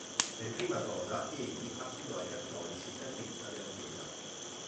Per prima cosa egli affidò ai cattolici la cripta della chiesa.